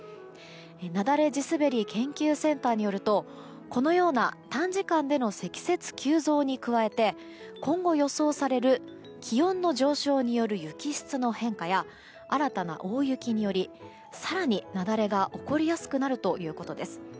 雪崩・地すべり研究センターによるとこのような短時間での積雪急増に加えて今後予想される気温上昇による雪質の変化や新たな大雪により更に雪崩が起こりやすくなるということです。